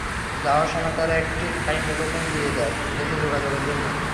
যাওয়ার সময় তারা একটি থাই মুঠোফোন দিয়ে যায় দেশে যোগাযোগের জন্য।